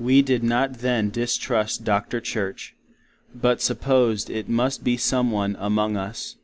We did not then distrust Dr. Church, but supposed it must be some one among us.